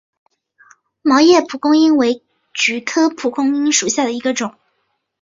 毛叶蒲公英为菊科蒲公英属下的一个种。